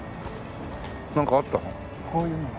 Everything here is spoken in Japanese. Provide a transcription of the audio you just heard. なんかあったの？